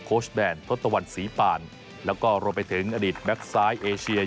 ชแดนทศตวรรณศรีปานแล้วก็รวมไปถึงอดีตแบ็คซ้ายเอเชีย